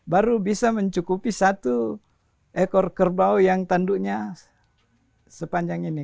baru bisa mencukupi satu ekor kerbau yang tanduknya sepanjang ini